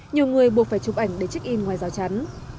nhiều người buộc phải chụp ảnh để check in ngoài rào chắn